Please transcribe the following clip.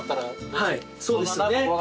・はいそうですね